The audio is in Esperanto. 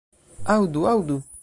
Aŭdu, aŭdu.